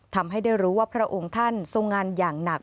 ทำให้ได้รู้ว่าพระองค์ท่านทรงงานอย่างหนัก